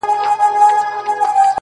مړی ئې غيم، زه خپل ياسين پر تېزوم.